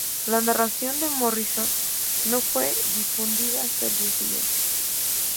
La narración de Morrison no fue difundida hasta el día siguiente.